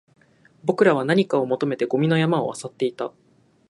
僕らは何かを求めてゴミの山を漁っていた